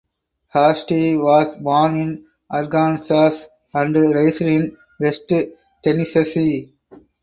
Haste was born in Arkansas and raised in West Tennessee.